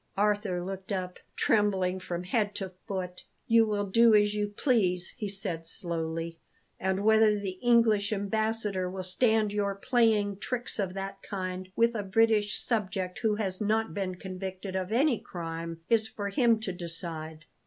Arthur looked up, trembling from head to foot. "You will do as you please," he said slowly; "and whether the English Ambassador will stand your playing tricks of that kind with a British subject who has not been convicted of any crime is for him to decide."